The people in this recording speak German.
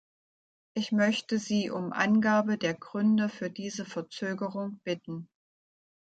Ich möchte Sie um Angabe der Gründe für diese Verzögerung bitten.